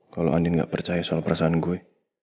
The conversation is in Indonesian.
kalo andin gak percaya soal perasaan gue